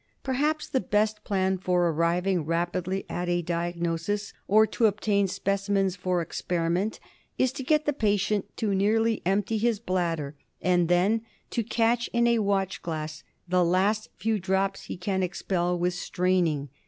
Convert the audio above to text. Perhaps the best plan for arriving rapidly at a diagnosis, or to obtain specimens for experiment, is to get the patient to nearly empty his bladder and then to catch in a watchglass the last few drops he can expel with straining.